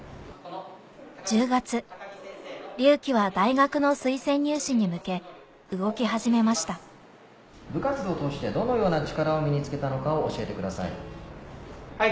リュウキは大学の推薦入試に向け動き始めました部活動を通してどのような力を身に付けたのかを教えてください。